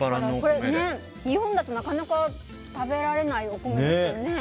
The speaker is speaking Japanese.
日本だとなかなか食べられないお米ですよね。